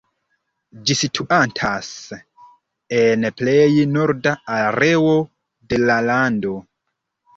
Ĝi situantas en plej norda areo de la lando.